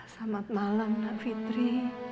selamat malam mbak fitri